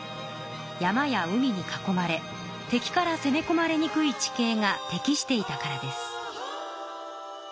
山や海に囲まれ敵からせめこまれにくい地形が適していたからです。